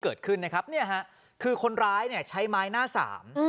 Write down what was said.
เกิดขึ้นนะครับเนี่ยฮะคือคนร้ายเนี่ยใช้ไม้หน้าสาม